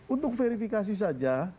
untuk verifikasi saja